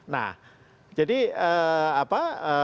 nah jadi apa